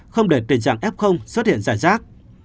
không để tình trạng f xuất hiện rải rác